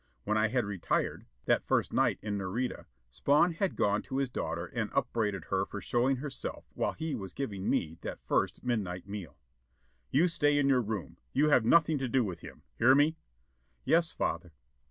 When I had retired that first night in Nareda Spawn had gone to his daughter and upbraided her for showing herself while he was giving me that first midnight meal. "You stay in your room: you have nothing to do with him. Hear me?" "Yes, Father."